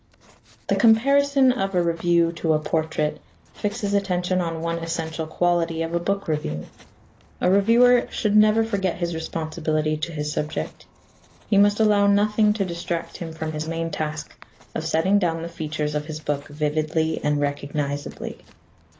The comparison of a review to a portrait fixes attention on one essential quality of a book review. A reviewer should never forget his responsibility to his subject. He must allow nothing to distract him from his main task of setting down the features of his book vividly and recognizably.